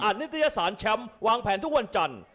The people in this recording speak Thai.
นิตยสารแชมป์วางแผนทุกวันจันทร์